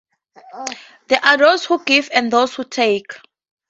There are those who give and those who take.